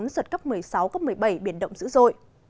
giật cấp một mươi sáu cấp một mươi bảy biển động dữ dội